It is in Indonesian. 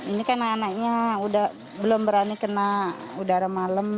ini kan anak anaknya belum berani kena udara malam